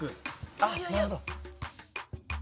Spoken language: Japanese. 「あっなるほど」